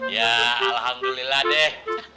ya alhamdulillah deh